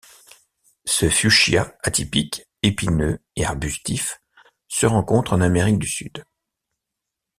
Ce Fuchsia atypique, épineux et arbustif, se rencontre en Amérique du Sud.